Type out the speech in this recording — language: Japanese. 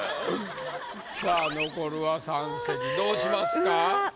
さぁ残るは３席どうしますか？